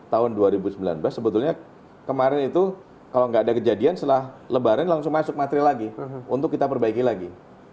tahun dua ribu sembilan belas sebetulnya kemarin itu kalau nggak ada kejadian setelah lebaran langsung masuk materi lagi untuk kita perbaiki lagi